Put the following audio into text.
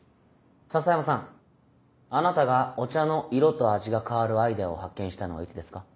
篠山さんあなたがお茶の色と味が変わるアイデアを発見したのはいつですか？